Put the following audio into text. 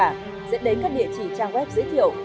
dẫn đến các địa chỉ trang web giới thiệu